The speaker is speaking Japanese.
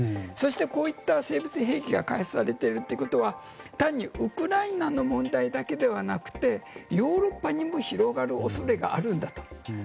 そして、こういった生物兵器が開発されているということは単に、ウクライナの問題だけではなくてヨーロッパにも広がる恐れがあるんだと。